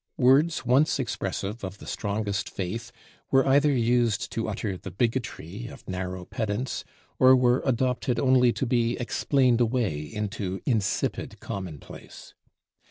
Words once expressive of the strongest faith were either used to utter the bigotry of narrow pedants, or were adopted only to be explained away into insipid commonplace.